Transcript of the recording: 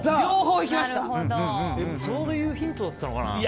そういうヒントだったのかな。